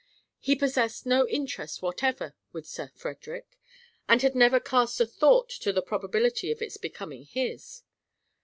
He possessed no interest whatever with Sir Frederick, and had never cast a thought to the probability of its becoming his.